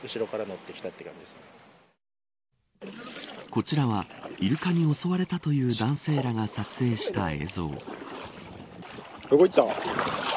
こちらはイルカに襲われたという男性らが撮影した映像。